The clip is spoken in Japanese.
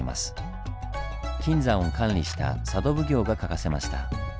金山を管理した佐渡奉行が描かせました。